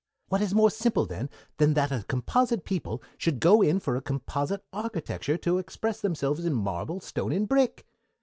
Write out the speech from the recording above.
What is more simple, then, than that a composite people should go in for a composite architecture to express themselves in marble, stone, and brick?